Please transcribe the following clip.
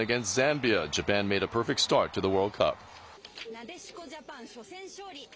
なでしこジャパン、初戦勝利。